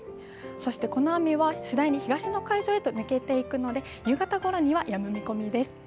そしてこの雨は次第に東の海上に抜けていくので夕方ごろにはやむ見込みです。